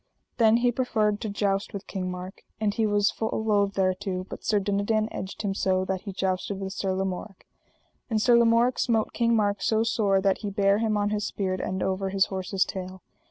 Then he proffered to joust with King Mark. And he was full loath thereto, but Sir Dinadan edged him so, that he jousted with Sir Lamorak. And Sir Lamorak smote King Mark so sore that he bare him on his spear end over his horse's tail.